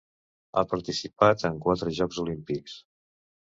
Ha participat en quatre Jocs Olímpics.